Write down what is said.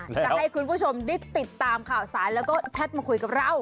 จะให้คุณผู้ชมได้ติดตามข่าวสารแล้วก็แชทมาคุยกับเรา